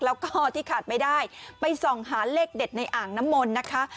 แล้วก็ที่ขาดไม่ได้ไปส่องหาเลขเด็ดในอ่างน้ำมนต์นะคะ